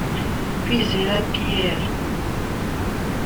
Kwizera Pierrot